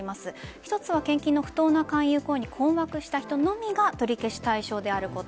一つは、献金の不当な勧誘行為に困惑した人のみが取り消し対象であること。